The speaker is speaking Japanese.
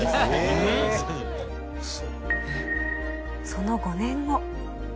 その５年後。